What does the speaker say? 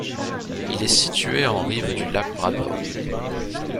Il est situé en rive du Lac Bras d'Or.